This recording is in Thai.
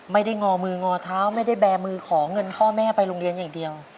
งอมืองอเท้าไม่ได้แบร์มือขอเงินพ่อแม่ไปโรงเรียนอย่างเดียว